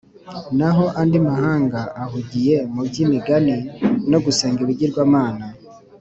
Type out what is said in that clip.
. Naho andi mahanga ahugiye mu by’imigani no gusenga ibigirwamana